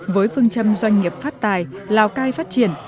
với phương châm doanh nghiệp phát tài lào cai phát triển